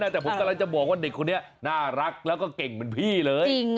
แต่ผมจะบอกเด็กคนนี้น่ารักแล้วเก่งเหมือนพี่เลย